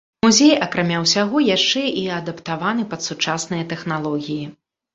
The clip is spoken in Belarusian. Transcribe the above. Музей, акрамя ўсяго, яшчэ і адаптаваны пад сучасныя тэхналогіі.